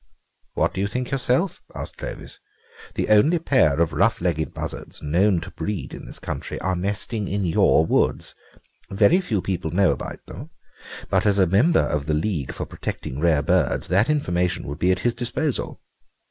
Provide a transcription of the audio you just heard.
"What do you think yourself?" asked Clovis; "the only pair of rough legged buzzards known to breed in this country are nesting in your woods. Very few people know about them, but as a member of the league for protecting rare birds that information would be at his disposal.